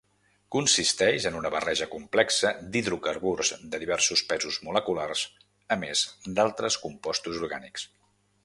Consisteix en una barreja complexa d'hidrocarburs de diversos pesos moleculars, a més d'altres compostos orgànics.